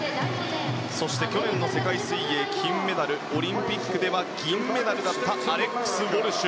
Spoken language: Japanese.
そして、去年の世界水泳金メダルオリンピックでは銀メダルだったアレックス・ウォルシュ。